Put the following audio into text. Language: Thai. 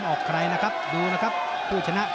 หรือว่าผู้สุดท้ายมีสิงคลอยวิทยาหมูสะพานใหม่